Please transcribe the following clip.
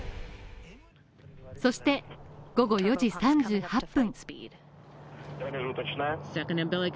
そして、午後４時３８分。